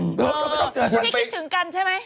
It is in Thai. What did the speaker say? ไม่คิดถึงกันใช่ไหม